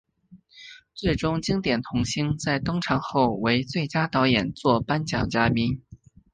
最终经典童星在登场后为最佳导演作颁奖嘉宾。